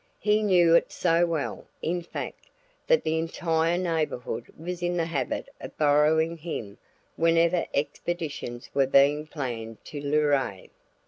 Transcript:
He knew it so well, in fact, that the entire neighborhood was in the habit of borrowing him whenever expeditions were being planned to Luray.